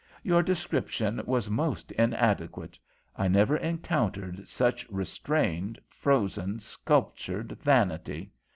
Your description was most inadequate. I never encountered such restrained, frozen, sculptured vanity.